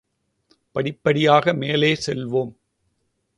படிப்படியாக மேலே செல்வோம்.